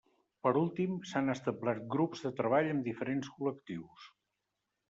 Per últim, s'han establert grups de treball amb diferents col·lectius.